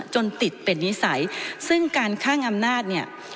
จนติดเป็นนิสัยซึ่งการคลั่งอำนาจ